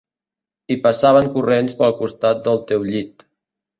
I passaven corrents pel costat del teu llit